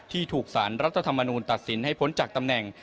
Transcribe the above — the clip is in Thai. ที่ถูกสารรัฐธรรมนูลตัดสินให้พ้นจากตำแหน่ง